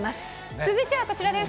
続いてはこちらです。